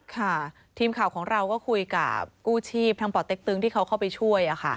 ค่ะทีมข่าวของเราก็คุยกับกู้ชีพทั้งป่อเต็กตึงที่เขาเข้าไปช่วย